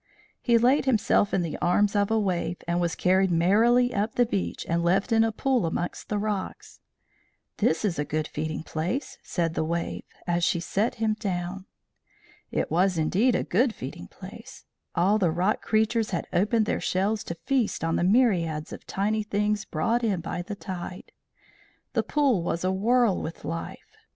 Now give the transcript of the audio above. He laid himself in the arms of a wave and was carried merrily up the beach and left in a pool amongst the rocks. "This is a good feeding place," said the wave, as she set him down. It was indeed a good feeding place. All the rock creatures had opened their shells to feast on the myriads of tiny things brought in by the tide. The pool was awhirl with life.